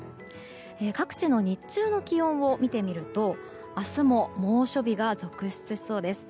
各地の日中の気温を見てみると明日も猛暑日が続出しそうです。